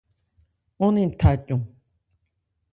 Ɔ́n ne tha cɔn.